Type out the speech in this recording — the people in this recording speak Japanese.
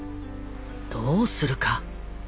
どうするか。